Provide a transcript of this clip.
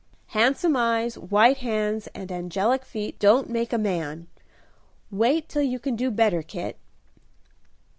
"Handsome eyes, white hands, and angelic feet don't make a man. Wait till you can do better, Kit."